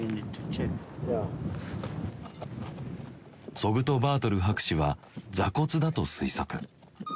ツォグトバートル博士は座骨だと推測。